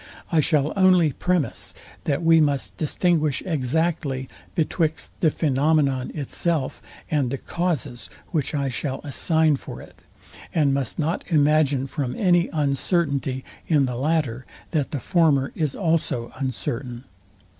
I shall only premise, that we must distinguish exactly betwixt the phænomenon itself, and the causes, which I shall assign for it; and must not imagine from any uncertainty in the latter, that the former is also uncertain.